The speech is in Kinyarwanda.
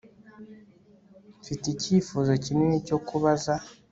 Mfite icyifuzo kinini cyo kubaza